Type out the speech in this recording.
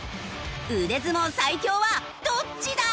腕相撲最強はどっちだ？